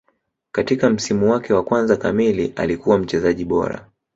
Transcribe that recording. Katika msimu wake wa kwanza kamili alikuwa mchezaji bora